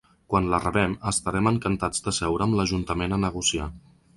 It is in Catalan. Quan la rebem, estarem encantats de seure amb l’ajuntament a negociar.